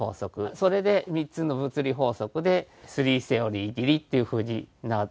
それで３つの物理法則でスリーセオリー切りっていうふうに名付けました。